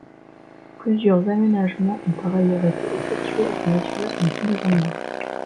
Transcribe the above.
Plusieurs aménagement ont, par ailleurs, été effectués afin d'assurer son bon déroulement.